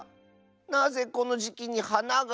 なぜこのじきにはなが。